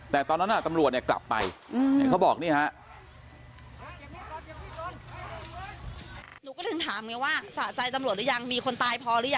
แต่ตอนนั้นตำรวจกลับไปเห็นเขาบอกนี่ครับ